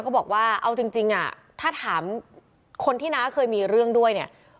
เขาบอกว่าเอาจริงอ่ะถ้าถามคนที่น้าเคยมีเรื่องด้วยเนี่ย